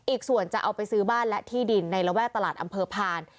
อีกส่วนจะเอาไปซื้อบ้านและที่ดินในระแวกตลาดอำเภอพาน